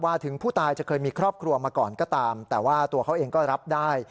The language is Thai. ถึงผู้ตายจะเคยมีครอบครัวมาก่อนก็ตามแต่ว่าตัวเขาเองก็รับได้